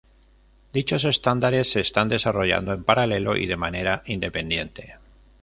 Dichos estándares se están desarrollando en paralelo y de manera independiente.